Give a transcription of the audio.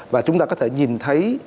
và chúng ta có thể nhìn thấy